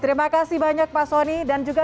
terima kasih banyak pak soni dan juga